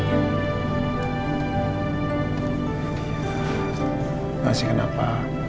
enggak sih kenapa